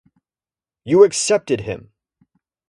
You accepted him!